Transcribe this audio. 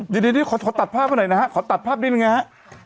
ดีนี่ขอตัดภาพมาหน่อยนะฮะขอตัดภาพนิดนึงนะฮะ